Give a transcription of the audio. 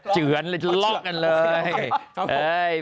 เจือนแล้วรอกกันเลย็้วเคอร์โคกร